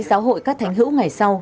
giáo hội các thành hữu ngày sau